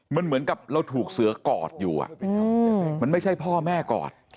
มันเหมือนกับเราถูกเสือกอดอยู่มันไม่ใช่พ่อแม่กอด